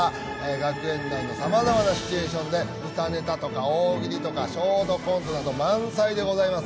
学園内のさまざまなシチュエーションで、歌ネタとか大喜利とかショートコントとか満載でございます。